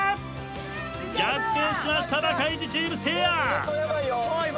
逆転しましたバカイジチームせいや。